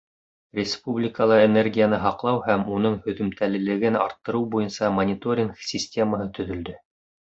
Республикала энергияны һаҡлау һәм уның һөҙөмтәлелеген арттырыу буйынса мониторинг системаһы төҙөлдө.